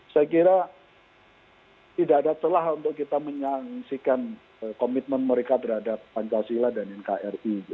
saya kira tidak ada celahan untuk kita menyaksikan komitmen mereka terhadap nu muhammadiyah pgri